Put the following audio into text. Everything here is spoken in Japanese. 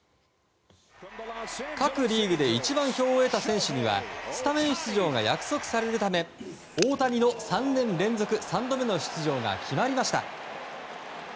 各リーグで一番票を得た選手にはスタメン出場が約束されるため大谷の３年連続３度目の出場が決まりました。